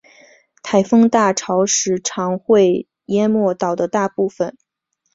台风大潮时常会淹没岛的大部分。